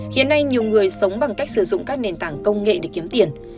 hiện nay nhiều người sống bằng cách sử dụng các nền tảng công nghệ để kiếm tiền